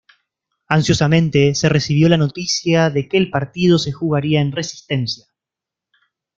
Ansiosamente se recibió la noticia de que el partido se jugaría en Resistencia.